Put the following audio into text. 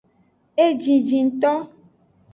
Ejiji ngto.